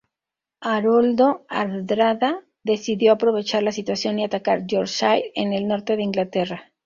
Haroldo Hardrada decidió aprovechar la situación y atacar Yorkshire, en el norte de Inglaterra.